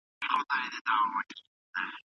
ګولۍ وخوره او بیا په خپله کوټه کې ارام وکړه.